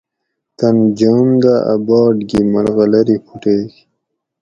تۤن جوم دہ اۤ باٹ گی ملغلری پھوٹیگ